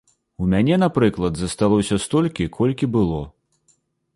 У мяне, напрыклад, засталося столькі, колькі было.